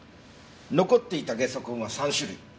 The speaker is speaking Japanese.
残っていたゲソ痕は３種類。